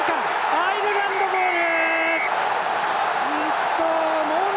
アイルランドボール！